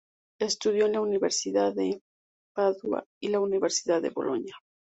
Estudió en la Universidad de Padua y la Universidad de Bolonia.